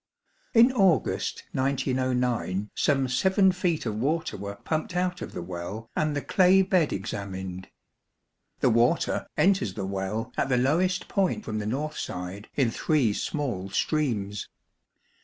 In August 1909 some 7 feet of water were pumped out of the well and the clay bed examined. The water enters 46 the well at the lowest point from the north side in three small streams.